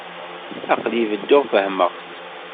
Aql-i bedduɣ fehhmeɣ-t.